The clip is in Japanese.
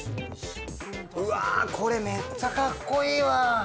うわ、これめっちゃかっこいいわ。